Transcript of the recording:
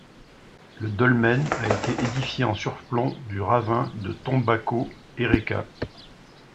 Le dolmen a été édifié en surplomb du ravin de Tombako-erreka.